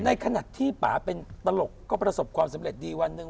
ในขณะที่ป่าเป็นตลกก็ประสบความสำเร็จดีวันหนึ่ง